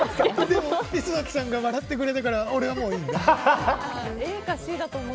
でも、磯崎さんが笑ってくれたから俺はもういいな。